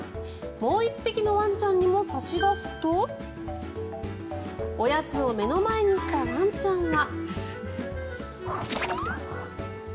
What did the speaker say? もう１匹のワンちゃんにも差し出すとおやつを目の前にしたワンちゃんは。